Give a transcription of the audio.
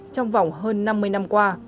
trong vòng hơn năm mươi năm qua